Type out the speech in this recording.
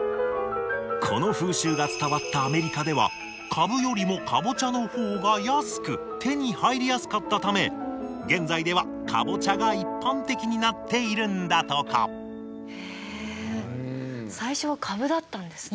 この風習が伝わったアメリカではカブよりもカボチャの方が安く手に入りやすかったため現在ではカボチャが一般的になっているんだとかへえ最初はカブだったんですね。